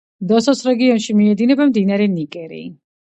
დოსოს რეგიონში მიედინება მდინარე ნიგერი.